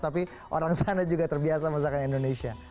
tapi orang sana juga terbiasa masakan indonesia